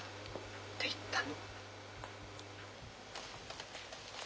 って言ったの。